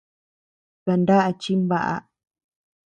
Kandaʼá chimbaʼa.